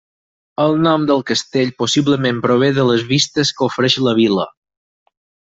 El nom del castell possiblement prové de les vistes que ofereix la vila.